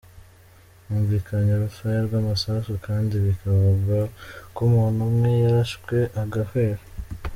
Humvikanye urufaya rw'amasasu kandi bikavugwa ko umuntu umwe yarashwe agahwera.